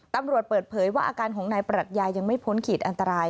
ตำรวจเปิดเผยว่าอาการของนายปรัชญายังไม่พ้นขีดอันตราย